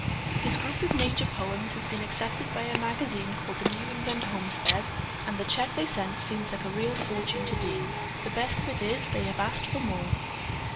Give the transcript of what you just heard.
His group of nature poems has been accepted by a magazine called The New England Homestead, and the check they sent seems like a real fortune to Dean. The best of it is, they have asked for more."